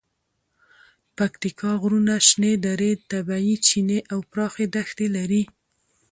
پکتیکا غرونه، شنې درې، طبیعي چینې او پراخې دښتې لري.